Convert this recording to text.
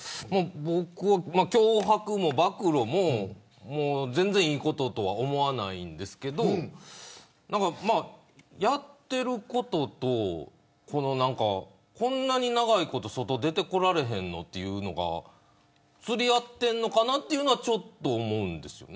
脅迫も暴露も全然いいこととは思わないんですけどやっていることとこんなに長いこと外に出てこられへんのというのが釣り合っているのかなってちょっと思うんですよね。